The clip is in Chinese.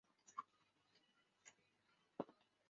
光轴苎叶蒟为胡椒科胡椒属下的一个变种。